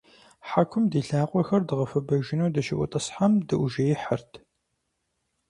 Хьэкум ди лъакъуэхэр дгъэхуэбэжыну дыщыӏутӀысхьэм, дыӏужеихьырт.